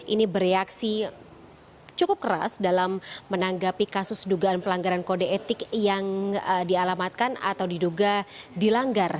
ini bereaksi cukup keras dalam menanggapi kasus dugaan pelanggaran kode etik yang dialamatkan atau diduga dilanggar